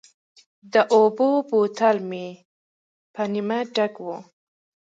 د اوبو بوتل مې په نیمه ډک و.